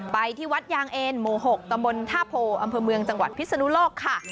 ไปที่วัดยางเอ็นหมู่๖ตำบลท่าโพอำเภอเมืองจังหวัดพิศนุโลกค่ะ